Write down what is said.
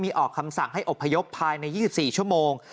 ออกคำสั่งให้อบพยพภายใน๒๔ชั่วโมง